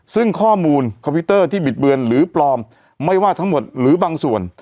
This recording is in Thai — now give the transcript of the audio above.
ซึ่งข้อมูลคอมพิวเตอร์ที่บิดเบือนหรือปลอมไม่ว่าทั้งหมดหรือบางส่วน